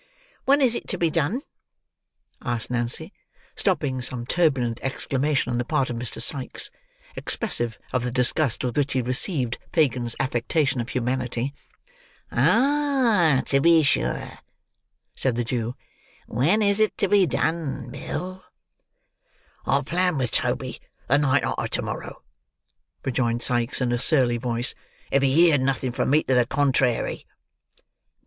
"When is it to be done?" asked Nancy, stopping some turbulent exclamation on the part of Mr. Sikes, expressive of the disgust with which he received Fagin's affectation of humanity. "Ah, to be sure," said the Jew; "when is it to be done, Bill?" "I planned with Toby, the night arter to morrow," rejoined Sikes in a surly voice, "if he heerd nothing from me to the contrairy."